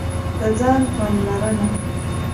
د ځان پاملرنه: